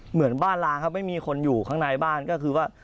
เหมือนบ้านล้างครับไม่มีคนอยู่ข้างในบ้านก็คือว่า